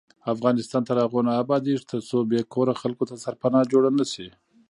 افغانستان تر هغو نه ابادیږي، ترڅو بې کوره خلکو ته سرپناه جوړه نشي.